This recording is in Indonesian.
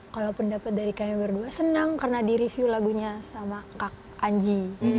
kalau pendapat dari kami berdua senang karena direview lagunya sama kak anji